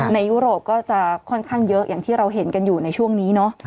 ยุโรปก็จะค่อนข้างเยอะอย่างที่เราเห็นกันอยู่ในช่วงนี้เนาะ